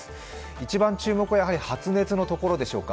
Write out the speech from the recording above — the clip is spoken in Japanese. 一番注目は発熱のところでしょうか。